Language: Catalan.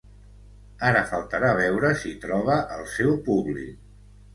Ara faltarà veure si troba el seu públic.